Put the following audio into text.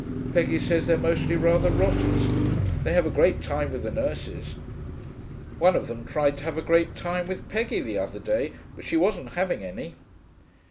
Peggy says they're mostly rather rotters. They have a great time with the nurses. One of them tried to have a great time with Peggy the other day, but she wasn't having any....